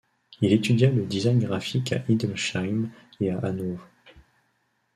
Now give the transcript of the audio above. Il étudia le design graphique à Hildesheim et à Hanovre.